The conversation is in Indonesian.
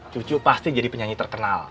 cucu pasti jadi penyanyi terkenal